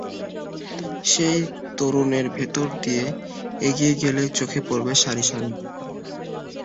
সেই তোরণের ভেতর দিয়ে এগিয়ে গেলেই চোখে পড়বে সারি সারি নৌকা।